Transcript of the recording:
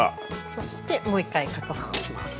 そしてもう一回かくはんをします。